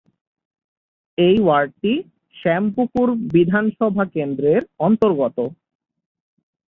এই ওয়ার্ডটি শ্যামপুকুর বিধানসভা কেন্দ্রের অন্তর্গত।